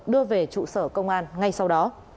đưa về trụ sở công an ngay sau đó